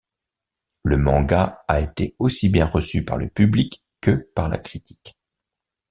Le manga a été aussi bien reçu par le public que par la critique.